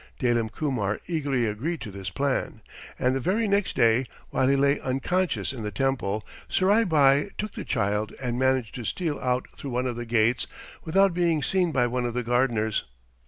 Dalim Kumar eagerly agreed to this plan, and the very next day, while he lay unconscious in the temple, Surai Bai took the child and managed to steal out through one of the gates without being seen by any of the gardeners.